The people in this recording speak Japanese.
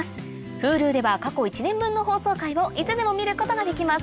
Ｈｕｌｕでは過去一年分の放送回をいつでも見ることができます